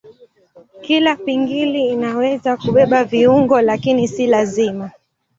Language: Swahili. Kila pingili inaweza kubeba viungo lakini si lazima.